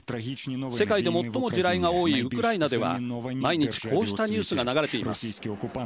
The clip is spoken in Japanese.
世界で最も地雷が多いウクライナでは毎日こうしたニュースが流れています。